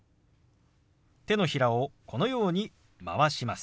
手のひらをこのように回します。